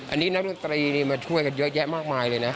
อันนี้นักดนตรีนี่มาช่วยกันเยอะแยะมากมายเลยนะ